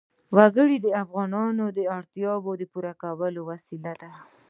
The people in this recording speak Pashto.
وګړي د افغانانو د اړتیاوو د پوره کولو وسیله ده.